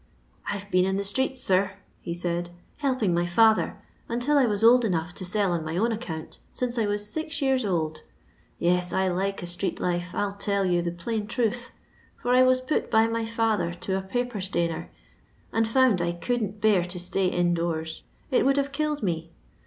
" I 'to been in the streets, sir," he said, " help ing my £uher, until I was old enough to sell on my own accoant, since I was six years old. Yet, im$a ttnd life, FU tdl you the plain tnUh, far I waeptU by my father to a papentainer, and fomnd I couldn't hear to stay in doors. It would hate kiUed me.